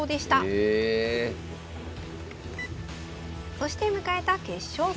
そして迎えた決勝戦。